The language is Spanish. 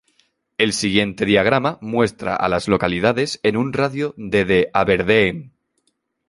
El siguiente diagrama muestra a las localidades en un radio de de Aberdeen.